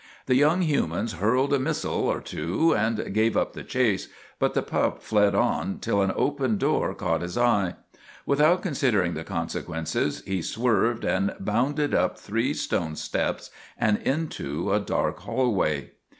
The young humans hurled a missile or two and gave up the chase, but the pup fled on till an open door caught his eye. Without considering 54 MAGINXIS the consequences he swerved and bounded up three stone steps and into a dark hallway.